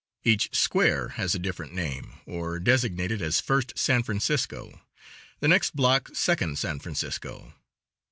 Each square has a different name, or designated as First San Francisco; the next block Second San Francisco.